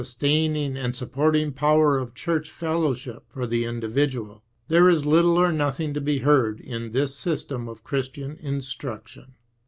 taining and supporting power of cliurcli fellowship for tlie individaalj there is little or nothing to be heard in this system of Christian instruction.